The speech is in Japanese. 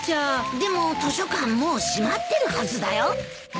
でも図書館もう閉まってるはずだよ。